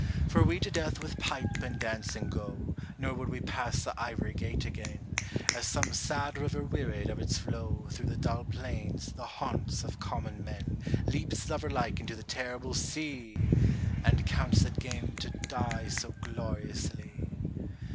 For we to death with pipe and dancing go, Nor would we pass the ivory gate again, As some sad river wearied of its flow Through the dull plains, the haunts of common men, Leaps lover like into the terrible sea ! And counts it gain to die so gloriously.